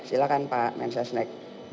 silahkan pak mensesnek